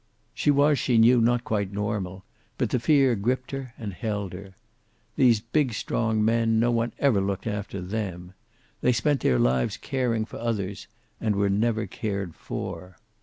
She was, she knew, not quite normal, but the fear gripped and held her. These big strong men, no one ever looked after them. They spent their lives caring for others, and were never cared for.